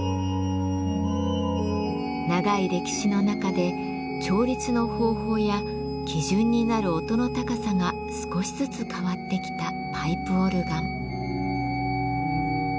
長い歴史の中で調律の方法や基準になる音の高さが少しずつ変わってきたパイプオルガン。